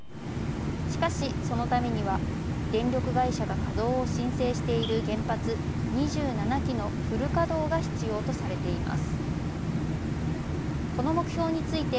しかし、そのためには電力会社が稼働を申請している原発２７基のフル稼働が必要とされています。